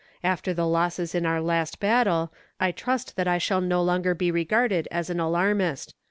After the losses in our last battle, I trust that I shall no longer be regarded as an alarmist.